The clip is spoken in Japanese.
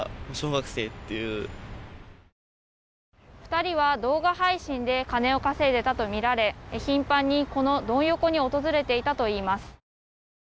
２人は動画配信で金を稼いでいたとみられ頻繁に、このドン横に訪れていたといいます。